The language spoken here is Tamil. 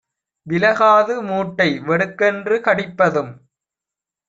விலகாது மூட்டை வெடுக்கென்று கடிப்பதும்